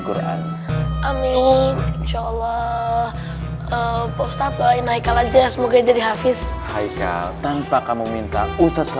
quran amin insyaallah post op lain naikkan aja semoga jadi hafiz hai kau tanpa kamu minta ustadz